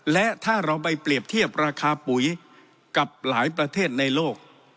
และถ้าเราไปเปรียบเทียบราคาปุ๋ยกับหลายประเทศในโลก